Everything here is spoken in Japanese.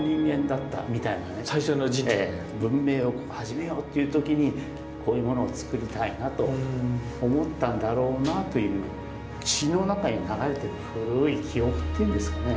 文明を始めようという時にこういうものを作りたいなと思ったんだろうなという血の中に流れてる古い記憶っていうんですかね